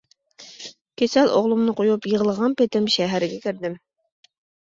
كېسەل ئوغلۇمنى قويۇپ، يىغلىغان پېتىم شەھەرگە كىردىم.